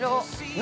◆何？